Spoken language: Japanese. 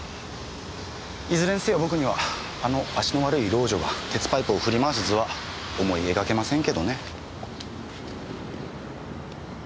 いずれにせよ僕にはあの足の悪い老女が鉄パイプを振り回す図は思い描けませんけどね。